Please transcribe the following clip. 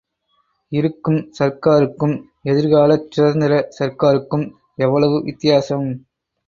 இருக்கும் சர்க்காருக்கும் எதிர்காலச் சுதந்திர சர்க்காருக்கும் எவ்வளவு வித்தியாசம்!